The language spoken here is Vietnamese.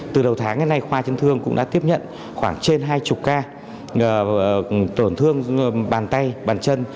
từ đầu tháng đến nay khoa chấn thương cũng đã tiếp nhận khoảng trên hai mươi ca tổn thương bàn tay bàn chân